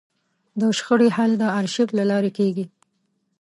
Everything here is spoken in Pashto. د شخړې حل د ارشیف له لارې کېږي.